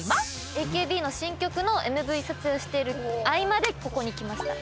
ＡＫＢの新曲のＭＶ撮影をしている合間でここに来ました。